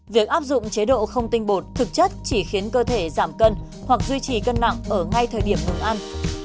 việc áp dụng chế độ không tinh bột thực chất chỉ khiến cơ thể giảm cân hoặc duy trì cân nặng ở ngay thời điểm ngừng ăn